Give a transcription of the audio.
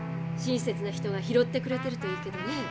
親切な人が拾ってくれてるといいけどね。